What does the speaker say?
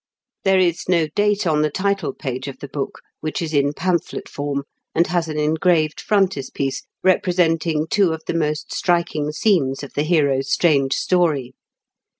There is no date on the title page of the book, which is in pamphlet form, and has an engraved frontispiece, representing two of the most striking scenes of the hero's strange story.